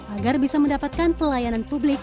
agar bisa mendapatkan pelayanan publik